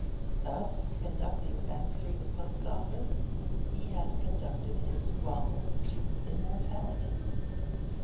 Thus, conducting them through the Post Office, he has conducted his squabbles to immortality.